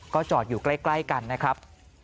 ก็จอดอยู่ใกล้กันนะครับ